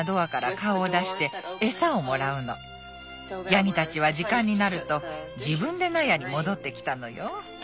ヤギたちは時間になると自分で納屋に戻ってきたのよ。